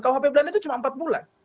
kuhp pidana itu cuma empat bulan